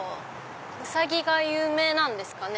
ウサギが有名なんですかね？